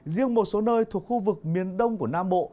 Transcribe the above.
riêng một số nơi thuộc khu vực miền đông của nam bộ